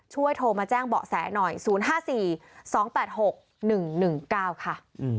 โทรมาแจ้งเบาะแสหน่อย๐๕๔๒๘๖๑๑๙ค่ะ